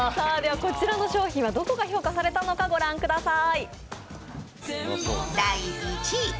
こちらの商品はどこが評価されたのか、ご覧ください。